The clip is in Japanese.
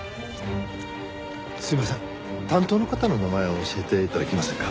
すいません担当の方の名前を教えて頂けませんか？